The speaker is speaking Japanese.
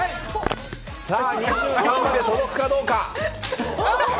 さあ、２３まで届くかどうか。